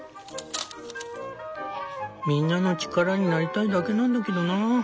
みんなの力になりたいだけなんだけどな。